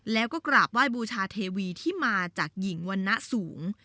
แล้วก็กราบไหว้บูชาเทวีที่มาจากหญิงวรรณะสูง